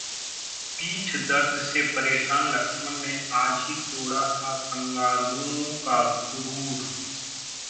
पीठ दर्द से परेशान लक्ष्मण ने आज ही तोड़ा था कंगारुओं का गुरूर